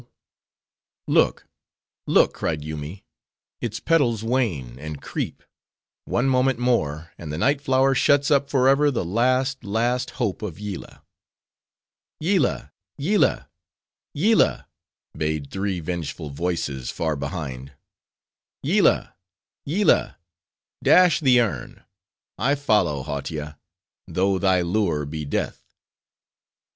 "Look! look!" cried Yoomy, "its petals wane, and creep; one moment more, and the night flower shuts up forever the last, last hope of Yillah!" "Yillah! Yillah! Yillah!" bayed three vengeful voices far behind. "Yillah! Yillah!—dash the urn! I follow, Hautia! though thy lure be death."